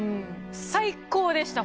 最高でした！